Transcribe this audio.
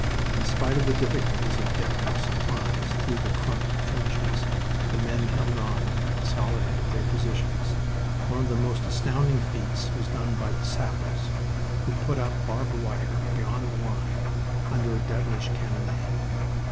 In spite of the difficulties of getting up supplies through the "crumped" trenches, the men held on and consolidated their positions. One of the most astounding feats was done by the sappers, who put up barbed wire beyond the line under a devilish cannonade.